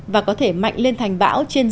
và có thể mạnh lên thành bão trên dây